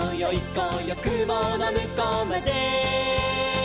こうよくものむこうまで」